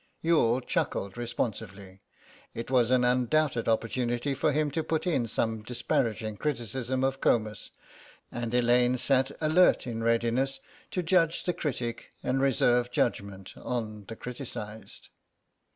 Youghal chuckled responsively. It was an undoubted opportunity for him to put in some disparaging criticism of Comus, and Elaine sat alert in readiness to judge the critic and reserve judgment on the criticised.